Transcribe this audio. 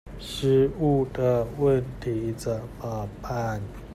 食物的問題怎麼辦？